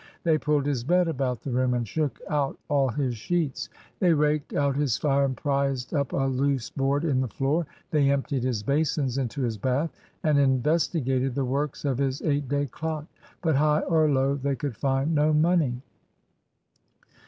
They pulled his bed about the room, and shook out all his sheets. They raked out his fire, and prised up a loose board in the floor. They emptied his basins into his bath, and investigated the works of his eight day clock. But high or low they could find no money.